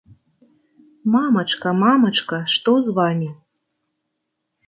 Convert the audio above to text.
Мамачка, мамачка, што з вамі?